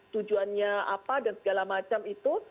tujuannya apa dan segala macam itu